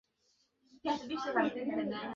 এখন বুঝছি তোমার বাপ তোমাকে ঠিক চিনতেন।